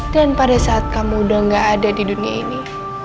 dan pada saat kamu udah gak ada di dunia ini